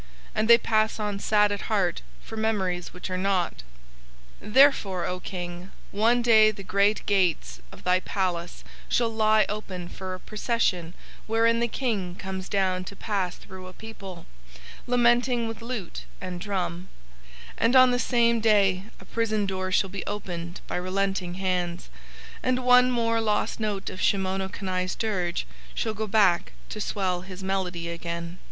and pass on sad at heart for memories which are not. "Therefore, O King, one day the great gates of thy palace shall lie open for a procession wherein the King comes down to pass through a people, lamenting with lute and drum; and on the same day a prison door shall be opened by relenting hands, and one more lost note of Shimono Kani's dirge shall go back to swell his melody again.